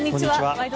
「ワイド！